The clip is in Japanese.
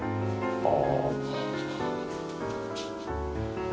ああ